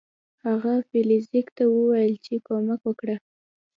هغه فلیریک ته وویل چې کومک وکړه.